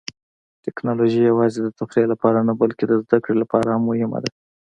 ټیکنالوژي یوازې د تفریح لپاره نه، بلکې د زده کړې لپاره هم مهمه ده.